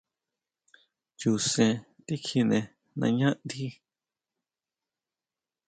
Chu sen tikjine nañá ndí.